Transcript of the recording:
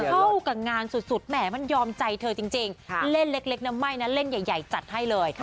เข้ากับงานสุดแหมมันยอมใจเธอจริงเล่นเล็กนะไม่นะเล่นใหญ่จัดให้เลย